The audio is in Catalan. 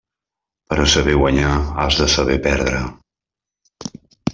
Per a saber guanyar has de saber perdre.